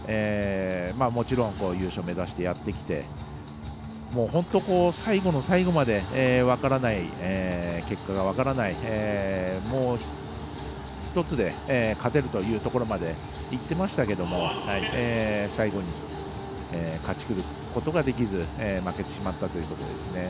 もちろん優勝目指してやってきて本当、最後の最後まで結果が分からない、もう１つで勝てるというところまでいってましたけども最後に勝ちきることができず負けてしまったというところですね。